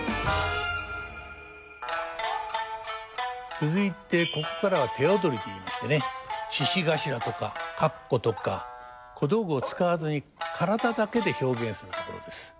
続いてここからは手踊りといいましてね獅子頭とか羯鼓とか小道具を使わずに体だけで表現するところです。